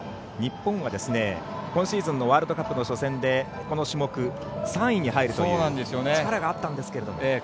日本が今シーズンのワールドカップでこの種目、３位に入るという力があったんですけどね。